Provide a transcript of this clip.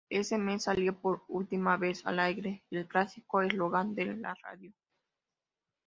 Ese mes salió por última vez al aire el clásico eslogan de la radio.